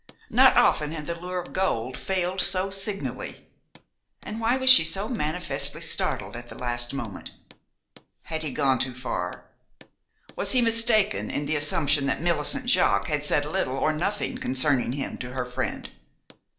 Not often had the lure of gold failed so signally. And why was she so manifestly startled at the last moment? Had he gone too far? Was he mistaken in the assumption that Millicent Jaques had said little or nothing concerning him to her friend?